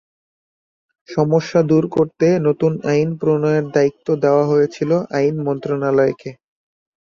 সমস্যা দূর করতে নতুন আইন প্রণয়নের দায়িত্ব দেওয়া হয়েছিল আইন মন্ত্রণালয়কে।